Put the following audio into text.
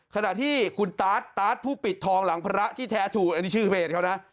ขณะที่คุณตาร์ทตาร์ทผู้ปิดทองหลังพระที่แท้ถูกอันนี้ชื่อเพจเขานะ